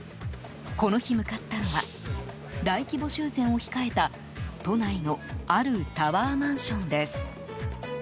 この日、向かったのは大規模修繕を控えた都内のあるタワーマンションです。